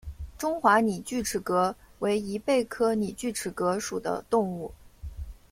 中华拟锯齿蛤为贻贝科拟锯齿蛤属的动物。